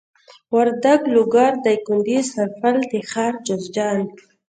وردک لوګر دايکندي سرپل تخار جوزجان